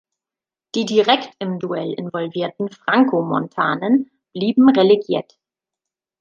Die direkt im Duell involvierten Franco-Montanen blieben relegiert.